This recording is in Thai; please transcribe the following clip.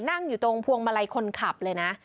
นั่งอยู่ตรงพวงมาลัยคนขับเลยนะ